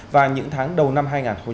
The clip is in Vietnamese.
và những tháng đầu năm hai nghìn một mươi chín